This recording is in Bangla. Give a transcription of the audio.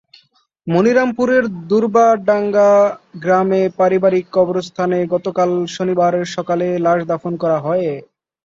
মনিরামপুরের দূর্বাডাঙ্গা গ্রামে পারিবারিক কবরস্থানে গতকাল শনিবার সকালে লাশ দাফন করা হয়।